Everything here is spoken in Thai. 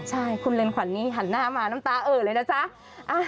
ใช่คุณเรือนขวัญนี้หันหน้ามาน้ำตาเอ่อเลยนะจ๊ะ